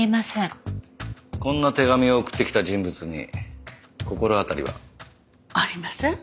こんな手紙を送ってきた人物に心当たりは？ありません。